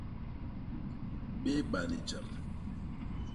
Bééba ni jam.